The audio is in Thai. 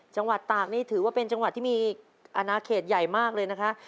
จังหวัดตากนี่ถือว่าเป็นจังหวัดที่มีอนาเขตใหญ่มากเลยนะคะ